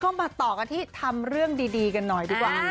มาต่อกันที่ทำเรื่องดีกันหน่อยดีกว่า